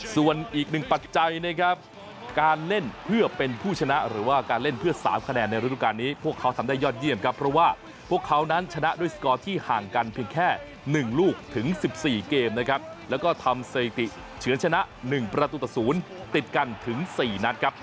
ส่วนอีกหนึ่งปัจจัยนะครับการเล่นเพื่อเป็นผู้ชนะหรือว่าการเล่นเพื่อ๓คะแนนในฤดูการนี้พวกเขาทำได้ยอดเยี่ยมครับเพราะว่าพวกเขานั้นชนะด้วยสกอร์ที่ห่างกันเพียงแค่๑ลูกถึง๑๔เกมนะครับแล้วก็ทำสถิติเฉือนชนะ๑ประตูต่อ๐ติดกันถึง๔นัดครับ